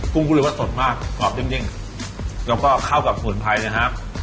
กุ้งกูเลยว่าสดมากกรอบจริงแล้วก็เข้ากับผลไพรนะครับ